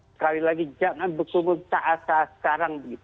sekali lagi jangan berkerumun saat saat sekarang